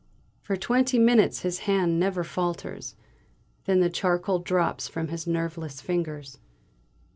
For twenty minutes his hand never falters, then the charcoal drops from his nerveless fingers!